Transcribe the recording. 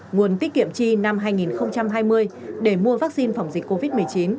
nguồn tiết kiệm chi năm hai nghìn hai mươi để mua vaccine phòng dịch covid một mươi chín